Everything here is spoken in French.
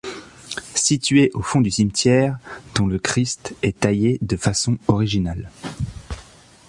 Située au fond du cimetière, dont le Christ est taillé de façon originale.